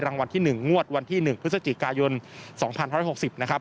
รางวัลที่๑งวดวันที่๑พฤศจิกายน๒๑๖๐นะครับ